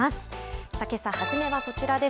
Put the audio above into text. けさ初めはこちらです。